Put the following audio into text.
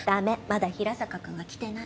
まだ平坂君が来てない。